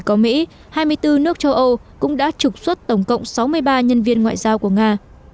có mỹ hai mươi bốn nước châu âu cũng đã trục xuất tổng cộng sáu mươi ba nhân viên ngoại giao của nga